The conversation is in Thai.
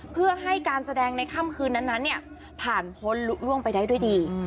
เพื่อให้การแสดงในค่ำคืนนั้นผ่านพ้นลุล่วงไปได้ด้วยดี